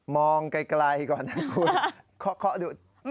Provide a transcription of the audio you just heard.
มองไกลก่อนนะคุณ